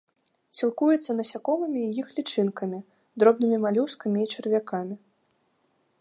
Сілкуецца насякомымі і іх лічынкамі, дробнымі малюскамі і чарвякамі.